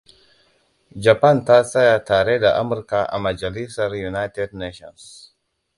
Japan ta tsaya tare da Amurka a Majalisar U. N.